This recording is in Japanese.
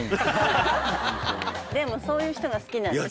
でもそういう人が好きなんでしょ？